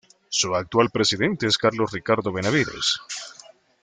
Su actual presidente es Carlos Ricardo Benavides.